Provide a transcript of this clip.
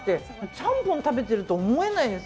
ちゃんぽんを食べてると思えないです。